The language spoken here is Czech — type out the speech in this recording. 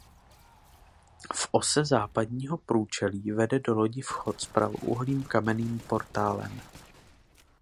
V ose západního průčelí vede do lodi vchod s pravoúhlým kamenným portálem.